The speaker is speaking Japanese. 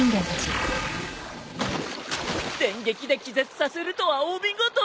電撃で気絶させるとはお見事です！